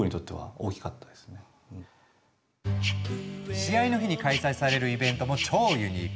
試合の日に開催されるイベントも超ユニーク。